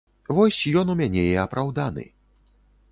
Вось ён у мяне і апраўданы.